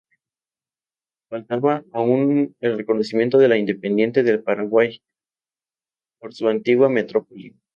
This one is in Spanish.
Faltaba aún el reconocimiento de la Independencia del Paraguay por su antigua metrópoli.